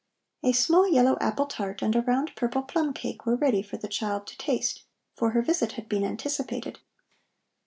A small yellow apple tart and a round purple plum cake were ready for the child to taste, for her visit had been anticipated.